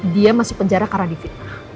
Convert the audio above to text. dia masuk penjara karena di fitnah